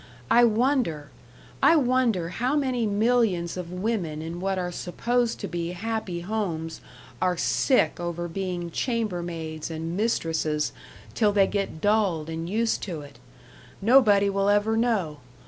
I wonder I wonder how many millions of women in what are supposed to be happy homes are sick over being chambermaids and mistresses till they get dulled and used to it. Nobody will ever know.